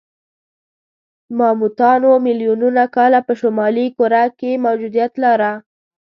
ماموتانو میلیونونه کاله په شمالي کره کې موجودیت لاره.